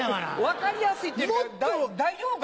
分かりやすいっていうか大丈夫か？